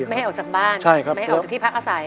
ไม่ให้ออกจากบ้านไม่ให้ออกจากที่พักอาศัย